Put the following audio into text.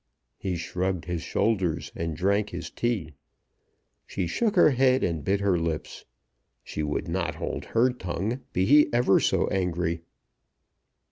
He shrugged his shoulders, and drank his tea. She shook her head and bit her lips. She would not hold her tongue, be he ever so angry.